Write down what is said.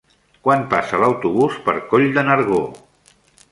Quan passa l'autobús per Coll de Nargó?